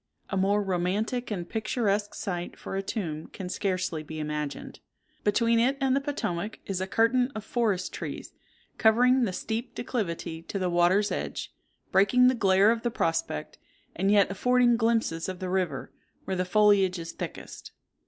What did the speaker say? A more romantic and picturesque site for a tomb can scarcely be imagined. Between it and the Potomac is a curtain of forest trees, covering the steep declivity to the water's edge, breaking the glare of the prospect, and yet affording glimpses of the river, where the foliage is thickest.